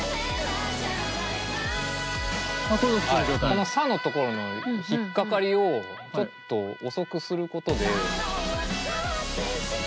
この「さ」のところの引っ掛かりをちょっと遅くすることで。